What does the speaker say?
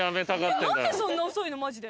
何でそんな遅いの？